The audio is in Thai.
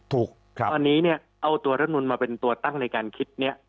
ถูกตอนนี้เนี่ยเอาตัวรัฐนุนมาเป็นตัวตั้งในการคิดนี้